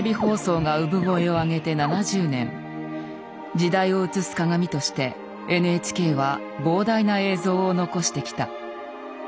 時代を映す鏡としてＮＨＫは膨大な映像を残してきた。